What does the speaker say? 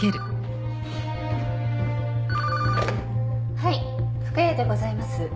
はい深谷でございます。